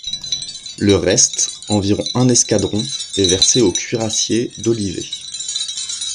Le reste, environ un escadron, est versé au cuirassiers d'Olivet.